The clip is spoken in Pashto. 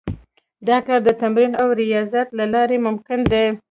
دا کار د تمرين او رياضت له لارې ممکن دی.